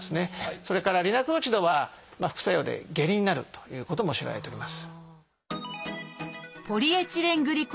それからリナクロチドは副作用で下痢になるということも知られております。